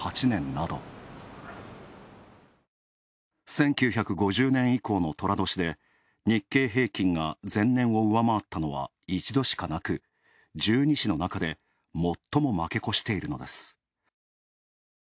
１９５０年以降の寅年で、日経平均が前年を上回ったのは一度しかなく、十二支のなかでもっとも負け越しているのです。